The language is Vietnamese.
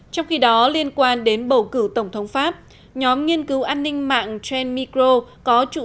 trong khi đó liên quan đến bầu cử tổng thống pháp nhóm nghiên cứu an ninh mạng tran micro có trụ